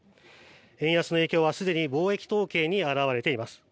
円安の影響はすでに貿易統計に表れています。